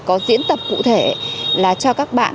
có diễn tập cụ thể là cho các bạn